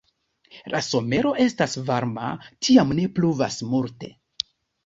La somero estas varma, tiam ne pluvas multe.